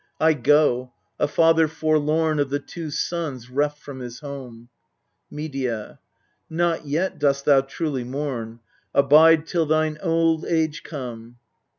I go, a father forlorn of the two sons reft from his home ! Medea. Not yet dost thou truly mourn : abide till thine old age come.